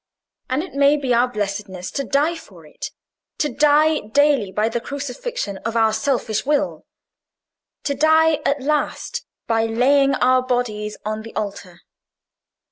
And it may be our blessedness to die for it: to die daily by the crucifixion of our selfish will—to die at last by laying our bodies on the altar.